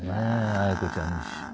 あや子ちゃんの。